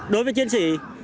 đối với chiến sĩ